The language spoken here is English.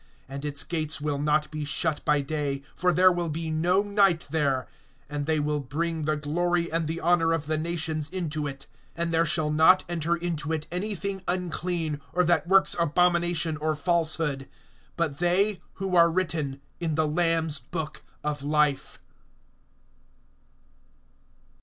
(25)And its gates will not be shut by day; for there will be no night there; (26)and they will bring the glory and the honor of the nations into it. (27)And there shall not enter into it any thing unclean, or that works abomination or falsehood; but they who are written in the Lamb's book of life.